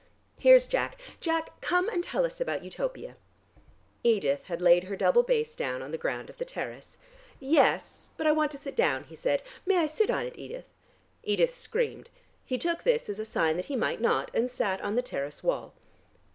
Here's Jack. Jack, come and tell us about Utopia." Edith had laid her double bass down on the ground of the terrace. "Yes, but I want to sit down," he said. "May I sit on it, Edith?" Edith screamed. He took this as a sign that he might not, and sat on the terrace wall.